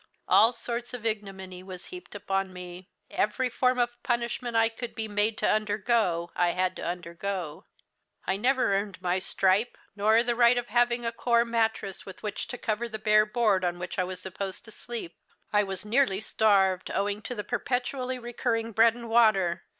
All sorts of ignominy was heaped on me. Every form of punishment I could be made to undergo I had to undergo. I never earned my stripe, nor the right of having a coir mattress with which to cover the bare board on which I was supposed to sleep. I was nearly starved, owing to the perpetually recurring bread and water.